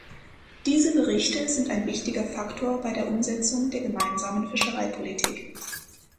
Diese Berichte sind ein wichtiger Faktor bei der Umsetzung der Gemeinsamen Fischereipolitik.